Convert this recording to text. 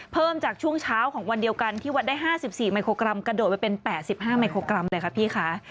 เพิ่มจากช่วงเช้าของวันเดียวกันที่วัดได้๕๔มิโครกรัมกระโดดไปเป็น๘๕มิโครกรัมเลยค่ะพี่คะ